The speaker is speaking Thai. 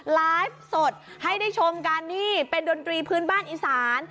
ไลฟ์สดให้ได้ชมกันนี่เป็นดนตรีพื้นบ้านอีสาน